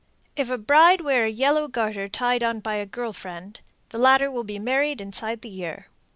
If a bride wear a yellow garter tied on by a girl friend, the latter will be married inside the year.